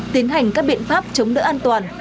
tiến hành các biện pháp chống đỡ an toàn